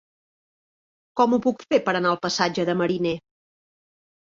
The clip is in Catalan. Com ho puc fer per anar al passatge de Mariner?